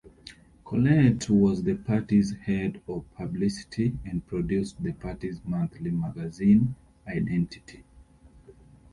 Collett was the party's head of publicity and produced the party's monthly magazine "Identity".